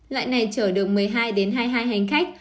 loại này trở được một mươi hai hai mươi hai hành khách